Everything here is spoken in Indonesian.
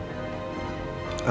aku tuh mencoba menjelidikannya